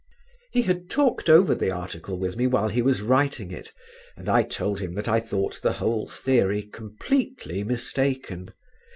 He had talked over the article with me while he was writing it, and I told him that I thought the whole theory completely mistaken.